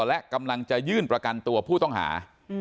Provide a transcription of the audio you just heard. และกำลังจะยื่นประกันตัวผู้ต้องหา